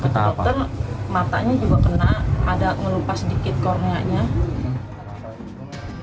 ketika itu matanya juga kena ada melupas sedikit kornanya